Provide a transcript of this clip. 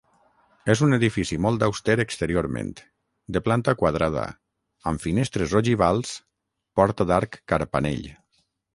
És un edifici molt auster exteriorment, de planta quadrada, amb finestres ogivals, porta d'arc carpanell.